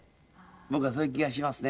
僕はそういう気がしますね。